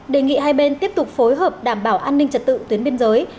đề nghị hai bên tiếp tục phối hợp đảm bảo an ninh trật tự tuyến biên giới